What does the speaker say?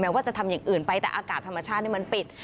ว่าจะทำอย่างอื่นไปแต่อากาศธรรมชาติมันปิด